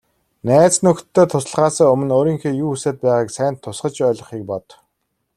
Найз нөхдөдөө туслахаасаа өмнө өөрийнхөө юу хүсээд байгааг сайн тусгаж ойлгохыг бод.